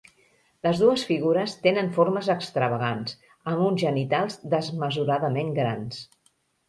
Les dues figures tenen formes extravagants, amb uns genitals desmesuradament grans.